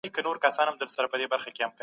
ناحقه مال انسان ذلیلوي.